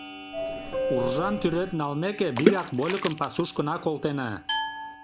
Уржам тӱред налмеке, вигак вольыкым пасушкына колтена.